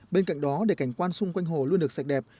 bên cạnh đó để cảnh quan xung quanh hồ luôn được sạch đẹp